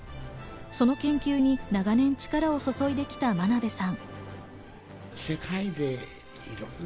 その研究に長年、力を注いできた真鍋さん。